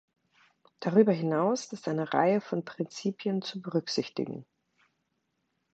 Darüber hinaus ist eine Reihe von Prinzipien zu berücksichtigen.